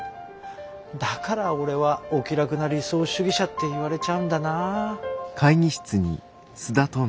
だから俺はお気楽な理想主義者って言われちゃうんだな。